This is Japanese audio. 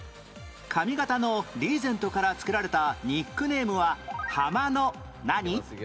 髪形のリーゼントから付けられたニックネームはハマの何？